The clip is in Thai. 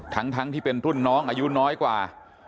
ทั้งที่เป็นรุ่นน้องอายุน้อยกว่า